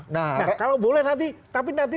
nah kalau boleh nanti tapi nanti